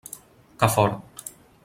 Que fort!